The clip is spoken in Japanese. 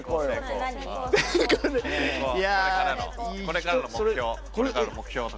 これからの目標とか。